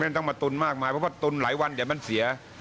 ไม่ต้องมาตุนมากมายเพราะตุนหลายวันจะมันเสีย